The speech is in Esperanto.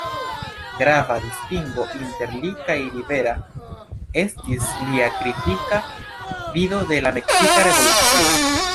Grava distingo inter li kaj Rivera estis lia kritika vido de la meksika revolucio.